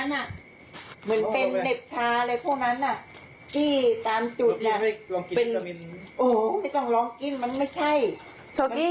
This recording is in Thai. คือจะให้หนูอดทนเรื่องอะไรคะหนูทำอะไรผิดเหรอ